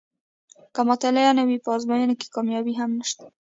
که مطالعه نه وي په ازموینو کې کامیابي هم نشته.